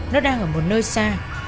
nó đang ở một nơi xa